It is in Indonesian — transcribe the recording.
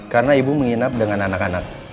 karena ibu menginap dengan anak anak